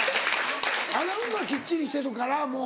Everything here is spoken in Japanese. アナウンサーはきっちりしてるからもう。